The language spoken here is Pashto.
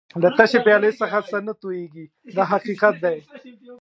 له تشې پیالې څخه څه نه تویېږي دا حقیقت دی.